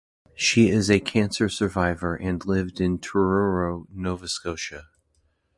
She is a cancer survivor and lived in Truro, Nova Scotia.